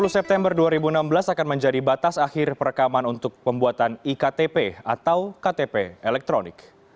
sepuluh september dua ribu enam belas akan menjadi batas akhir perekaman untuk pembuatan iktp atau ktp elektronik